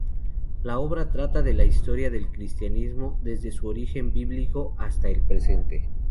La obra trata la historia del cristianismo desde su origen bíblico hasta el presente.